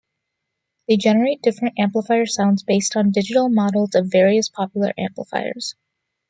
They generate different amplifier sounds based on digital models of various popular amplifiers.